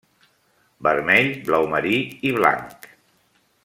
Vermell, blau marí i blanc.